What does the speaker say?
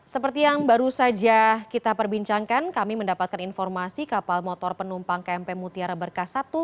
seperti yang baru saja kita perbincangkan kami mendapatkan informasi kapal motor penumpang kmp mutiara berkas satu